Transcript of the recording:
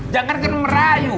jangan kena merayu